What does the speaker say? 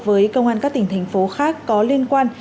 với công an các tỉnh thành phố khác có liên quan